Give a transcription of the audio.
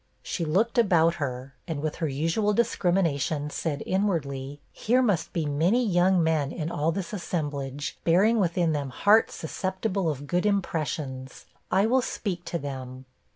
She looked about her, and with her usual discrimination, said inwardly 'Here must be many young men in all this assemblage, bearing within them hearts susceptible of good impressions. I will speak to them.'